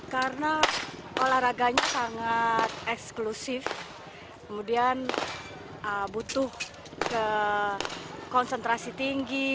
karena olahraganya sangat eksklusif kemudian butuh konsentrasi tinggi